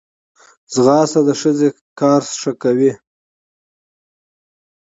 ځغاسته د سږي کار ښه کوي